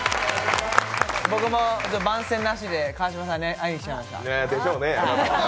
番宣なしで、川島さんに会いにきちゃいました。でしょうね。